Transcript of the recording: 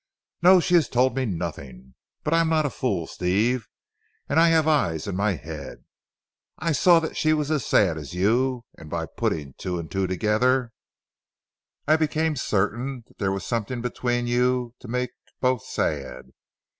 "No! she has told me nothing. But I am not a fool Steve and I have eyes in my head. I saw that she was as sad as you, and by putting two and two together I became certain that there was something between you to make both sad.